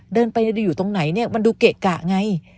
เดินไปอยู่ตรงไหนเนี่ยมันดูเกะกะไง